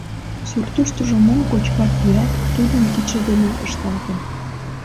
Суртыштыжо мом кочкат-йӱат — тудын кидше дене ышталтын.